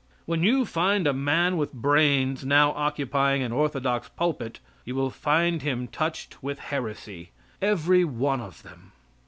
When you find a man with brains now occupying an orthodox pulpit you will find him touched with heresy every one of them.